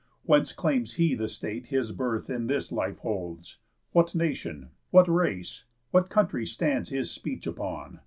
Whence claims he the state His birth in this life holds? What nation? What race? What country stands his speech upon?